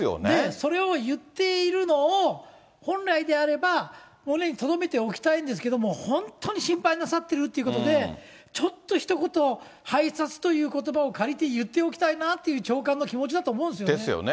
それを言っているのを、本来であれば胸にとどめておきたいんですけれども、本当に心配なさってるということで、ちょっとひと言、拝察ということばを借りて言っておきたいなという長官の気持ちだですよね。